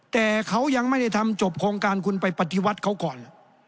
แต่เขายังไม่ได้ทำจบโครงการคุณไปปฏิวัติเขาก่อน